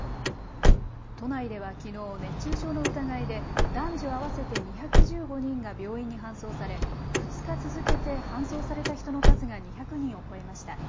都内ではきのう熱中症の疑いで男女合わせて２１５人が病院に搬送され２日続けて搬送された人の数が２００人を超えました。